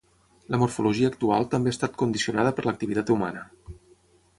La morfologia actual també ha estat condicionada per l’activitat humana.